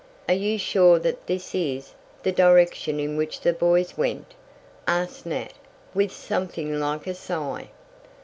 "Are you sure that this is the direction in which the boys went?" asked Nat, with something like a sigh.